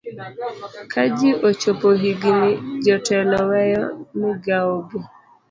ka ji ochopo higini jotelo weyo migawogi